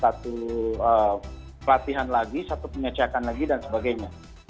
satu pelatihan lagi satu pengecekan lagi dan sebagainya